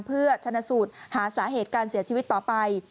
เพื่อชนะสูตรหาสาเหตุการเสียชีวิตต่อไป